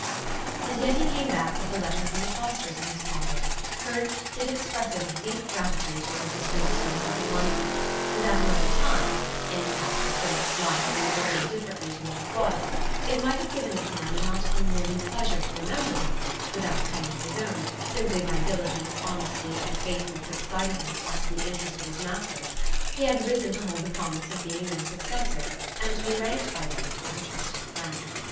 And yet he came back with a letter from the Fosters in his pocket, curt, yet expressive of deep gratitude for his discreet services in London; and at another time in fact, if Philip's life had been ordered differently to what it was it might have given this man a not unworthy pleasure to remember that, without a penny of his own, simply by diligence, honesty, and faithful quick sightedness as to the interests of his masters, he had risen to hold the promise of being their successor, and to be ranked by them as a trusted friend.